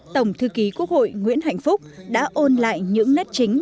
tổng thư ký quốc hội nguyễn hạnh phúc đã ôn lại những nét chính